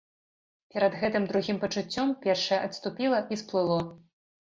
Перад гэтым другім пачуццём першае адступіла і сплыло.